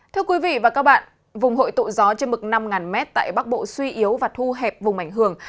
thưa quý vị và các bạn vùng hội tụ gió trên mực năm m tại bắc bộ suy yếu và thu hẹp vùng ảnh hưởng